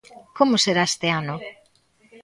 Como será este ano?